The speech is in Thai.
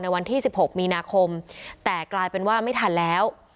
วันที่๑๖มีนาคมแต่กลายเป็นว่าไม่ทันแล้ว